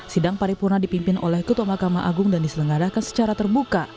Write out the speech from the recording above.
sidang paripurna dipimpin oleh ketua mahkamah agung dan diselenggarakan secara terbuka